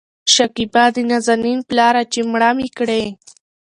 شکيبا : د نازنين پلاره چې مړه مې کړې